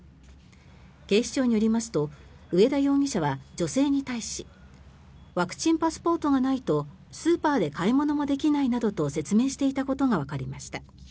警視庁によりますと上田容疑者は女性に対しワクチンパスポートがないとスーパーで買い物もできないなどと説明していたことがわかりました。